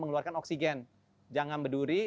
mengeluarkan oksigen jangan berduri